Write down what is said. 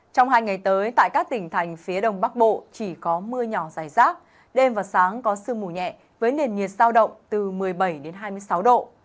trong hai ngày tới tại các tỉnh thành phía đông bắc bộ chỉ có mưa nhỏ dài rác đêm và sáng có sương mù nhẹ với nền nhiệt sao động từ một mươi bảy đến hai mươi sáu độ